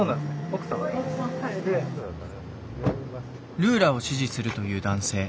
ルーラを支持するという男性。